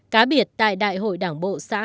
đặc biệt tại đại hội đảng bộ xã